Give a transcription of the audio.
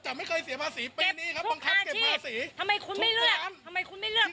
ผมหยุดไปเนี่ยผมมาเปิดไปเนี่ย